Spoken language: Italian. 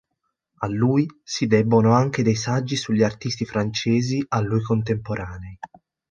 A lui si debbono anche dei saggi sugli artisti francesi a lui contemporanei.